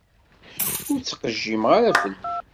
Ur ttqejjim ara fell-i.